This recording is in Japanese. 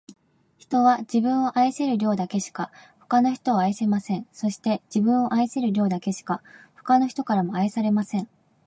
人は、自分を愛せる量だけしか、他の人を愛せません。そして、自分を愛せる量だけしか、他の人からも愛されません。